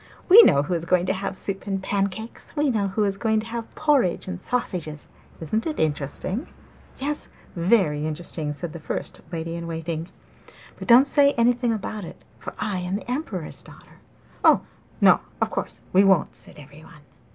'We know who is going to have soup and pancakes; we know who is going to have porridge and sausages isn't it interesting?' 'Yes, very interesting!' said the first lady in waiting. 'But don't say anything about it, for I am the Emperor's daughter.' 'Oh, no, of course we won't!' said everyone.